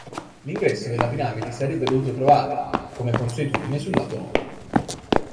L'ingresso della piramide si sarebbe dovuto trovare, come consuetudine, sul lato nord.